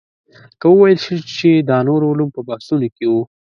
که وویل شي چې دا نور علوم په بحثونو کې وو.